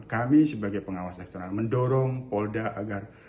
kami sebagai pengawas eksternal mendorong polda agar